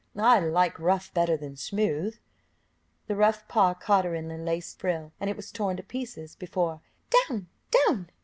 "I like rough better than smooth." The rough paw caught in her lace frill, and it was torn to pieces before "down! down!"